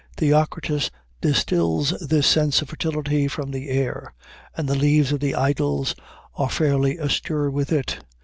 Theocritus distils this sense of fertility from the air, and the leaves of the Idylls are fairly astir with it.